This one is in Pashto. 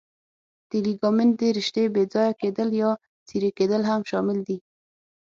د لیګامنت د رشتې بې ځایه کېدل یا څیرې کېدل هم شامل دي.